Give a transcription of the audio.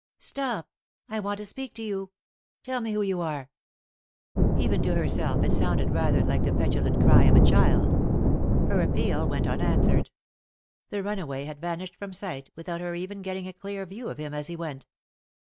" Stop I— I want to speak to you I— Tell me who you are 1 " Even to herself it sounded rather like the petulant cry of a child. Her appeal went unanswered. The runaway had vanished from sight, without her even getting a clear view of him as he went.